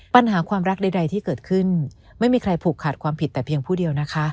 ปัญหาความรักใดที่ขึ้นไม่มีใครผูกขาดความผิดแต่ผู้เดียว